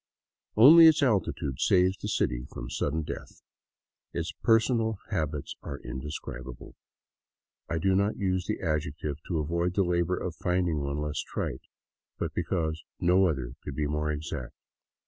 Only its altitude saves the city from sudden death. Its personal habits are indescribable; I do not use the adjective to avoid the labor of finding one less trite, but because no other could be more exact.